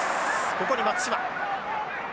ここに松島。